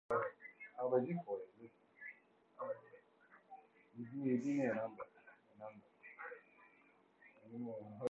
The parish is situated to the north of Canterbury in Kent.